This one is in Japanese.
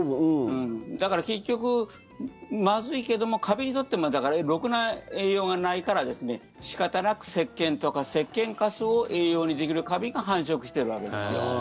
だから結局、まずいけどもカビにとってもだから、ろくな栄養がないから仕方なく、せっけんとかせっけんかすを栄養にできるカビが繁殖しているわけですよ。